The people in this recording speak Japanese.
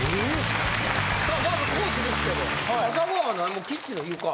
さあまず地ですけど朝ご飯はキッチンの床？